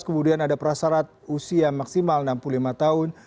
kemudian ada prasarat usia maksimal enam puluh lima tahun